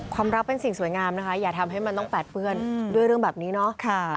ความรักเป็นสิ่งสวยงามนะคะอย่าทำให้มันต้องแปดเปื้อนด้วยเรื่องแบบนี้เนาะ